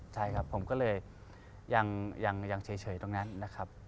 ใช่ครับผมก็เลยยังเฉยตรงนั้นนะครับ